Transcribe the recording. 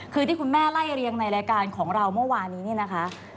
คือที่คุณแม่ไล่เรียงในรายการของเราเมื่อวานี้เนี่ยนะคะ